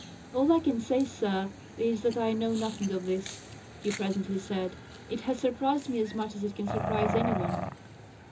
"All I can say, sir, is, that I know nothing of this," he presently said. "It has surprised me as much as it can surprise any one."